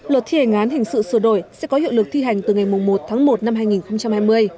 luật thi hành án hình sự sửa đổi sẽ có hiệu lực thi hành từ ngày một tháng một năm hai nghìn hai mươi